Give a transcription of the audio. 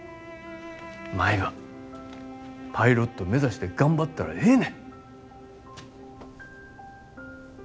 舞はパイロット目指して頑張ったらええね。